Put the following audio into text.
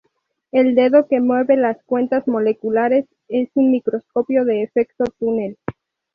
El "dedo" que mueve las cuentas moleculares es un microscopio de efecto túnel.